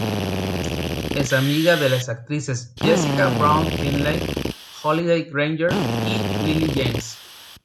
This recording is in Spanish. Es amiga de las actrices Jessica Brown-Findlay, Holliday Grainger y Lily James.